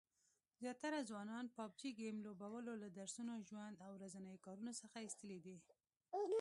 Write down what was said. زیاتره ځوانان پابجي ګیم لوبولو له درسونو، ژوند او ورځنیو کارونو څخه ایستلي دي